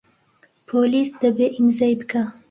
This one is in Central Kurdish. پۆلیس دەبێ ئیمزای بکا.